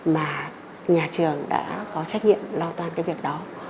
mà nhà trường đã có trách nhiệm lo toan cái việc đó